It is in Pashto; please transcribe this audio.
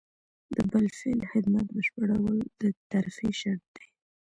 د بالفعل خدمت بشپړول د ترفیع شرط دی.